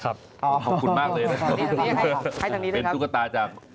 ครับขอบคุณมากเลยนะครับ